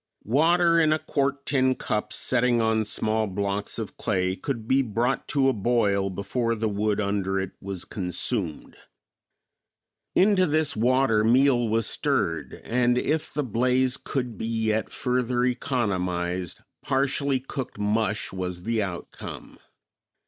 Water in a quart tin cup setting on small blocks of clay could be brought to a boil before the wood under it was consumed. Into this water meal was stirred and, if the blaze could be yet further economized, partially cooked mush was the outcome.